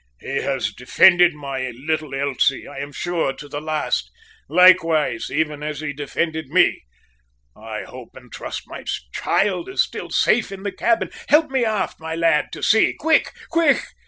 "He has defended my little Elsie, I am sure, to the last, likewise, even as he defended me. I hope and trust my child is still safe in the cabin. Help me aft, my lad, to see; quick, quick!"